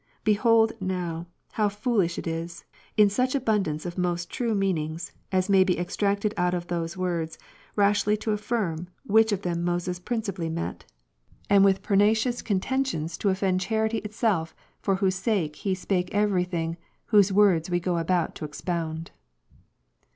Behold now, how foolish it is, in such abundance of most true meanings, as may be extracted out of those words, rashly to affiz'm, which of them Moses principally meant; and with pernicious /^ 270 Language of Moses probably adapted to convey )NF. contentions to offend charity itself, for whose sake he spake iiiii every thing, whose words we go about to expound.